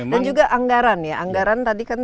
dan juga anggaran ya anggaran tadi kan